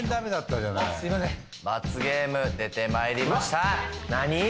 罰ゲーム出てまいりました何？